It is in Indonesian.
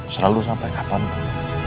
selalu sampai kapanpun